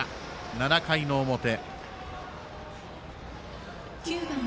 ７回の表。